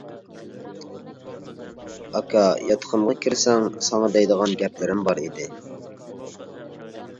-ئاكا، ياتىقىمغا كىرسەڭ، ساڭا دەيدىغان گەپلىرىم بار ئىدى.